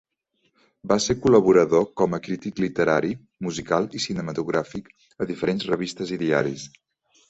Va ser col·laborador, com a crític literari, musical i cinematogràfic, a diferents revistes i diaris.